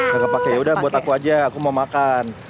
gak kepake yaudah buat aku aja aku mau makan